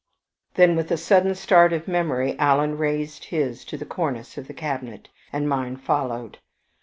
Then, with a sudden start of memory, Alan raised his to the cornice of the cabinet, and mine followed.